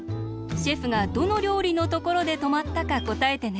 シェフがどのりょうりのところでとまったかこたえてね。